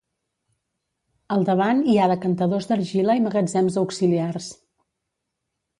Al davant hi ha decantadors d'argila i magatzems auxiliars.